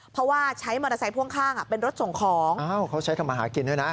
เพราะว่าใช้มอเตอร์ไซค์พ่วงข้างเป็นรถส่งของเขาใช้ทำมาหากินด้วยนะ